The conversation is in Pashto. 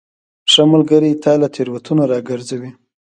ښه ملګری تا له تیروتنو راګرځوي.